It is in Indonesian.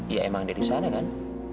ya emang dari sana kan